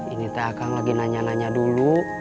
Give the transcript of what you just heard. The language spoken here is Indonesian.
ini teh akan lagi nanya nanya dulu